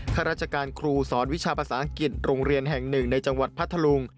ข้าราชการครูสอนวิชาภาษาอังกฤษโรงเรียนแห่งหนึ่งในจังหวัดพัทธลุง